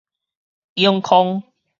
永康